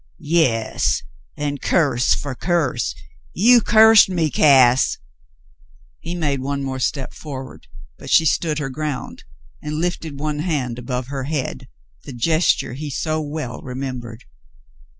"Yas, and curse for curse. You cursed me, Gass." He made one more step forward, but she stood her ground and lifted one hand above her head, the gesture he so well remembered.